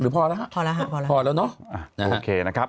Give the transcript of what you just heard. เพราะพอแล้วโอเคนะครับ